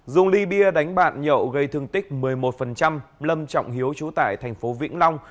dùng ly bia đánh bạn nhậu gây thương tích một mươi một lâm trọng hiếu chú tại tp vĩnh long